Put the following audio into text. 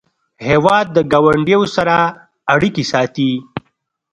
هېواد د ګاونډیو سره اړیکې ساتي.